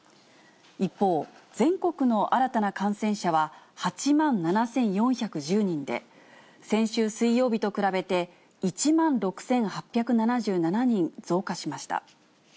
一方、全国の新たな感染者は８万７４１０人で、先週水曜日と比べて１万６８７７人増加しました。